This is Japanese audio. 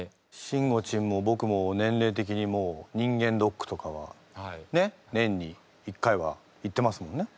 しんごちんもぼくも年齢的にもう人間ドックとかはねっ年に１回は行ってますもんね。